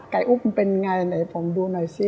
ไก่อุ๊บมันเป็นยังไงให้ผมดูหน่อยสิ